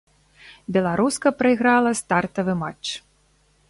Беларуска прайграла стартавы матч.